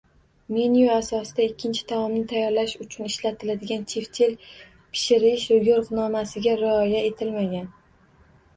Menyu asosida ikkinchi taomni tayyorlash uchun ishlatiladigan teftel pishirish yoʻriqnomasiga rioya etilmagan.